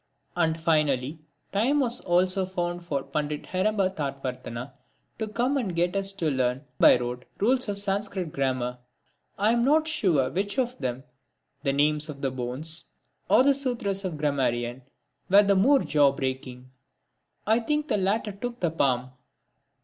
And finally, time was also found for Pandit Heramba Tatwaratna to come and get us to learn by rote rules of Sanscrit grammar. I am not sure which of them, the names of the bones or the sutras of the grammarian, were the more jaw breaking. I think the latter took the palm.